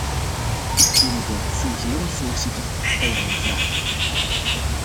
Ik wilde de fungerend voorzitter het volgende vragen.